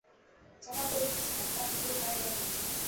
যাহা বলিতেছিলেন তার খেই হারাইয়া গেল।